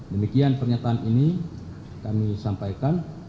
demikian pernyataan ini kami sampaikan